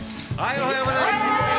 おはようございます。